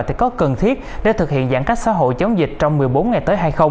thì có cần thiết để thực hiện giãn cách xã hội chống dịch trong một mươi bốn ngày tới hay không